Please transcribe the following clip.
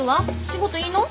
仕事いいの？